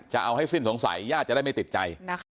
จะเอาให้สิ้นสงสัยญาติจะได้ไม่ติดใจ